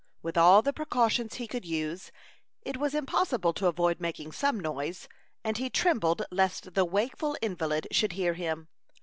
With all the precautions he could use, it was impossible to avoid making some noise, and he trembled lest the wakeful invalid should hear him.